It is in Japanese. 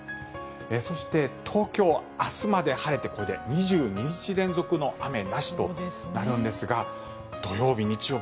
そして、東京明日まで晴れてこれで２２日連続の雨なしとなるんですが土曜日、日曜日